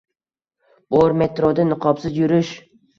- Bor. Metroda niqobsiz yurish!